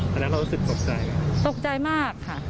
ตอนนั้นเรารู้สึกตกใจตกใจมากค่ะ